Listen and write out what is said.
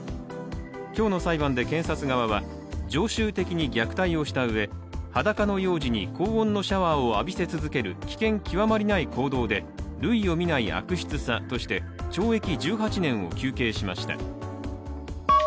今日の裁判で検察側は常習的に虐待をしたうえ裸の幼児に高温のシャワーを浴びせ続ける危険極まりない行動で、類を見ない悪質さとして懲役１８年を求刑しました。